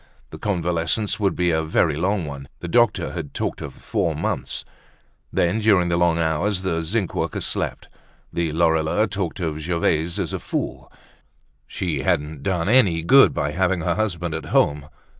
The convalescence would be a very long one; the doctor had talked of four months. Then, during the long hours the zinc worker slept, the Lorilleux talked of Gervaise as of a fool. She hadn't done any good by having her husband at home.